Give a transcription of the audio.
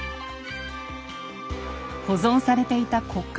保存されていた骨格